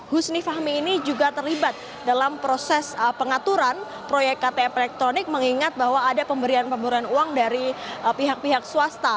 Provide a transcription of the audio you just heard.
husni fahmi ini juga terlibat dalam proses pengaturan proyek ktp elektronik mengingat bahwa ada pemberian pemberian uang dari pihak pihak swasta